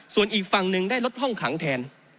ส่วนอีกฝั่งหนึ่งได้ลดห้องขังแทน